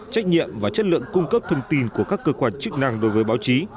trách nhiệm và chất lượng cung cấp thông tin của các cơ quan chức năng đối với báo chí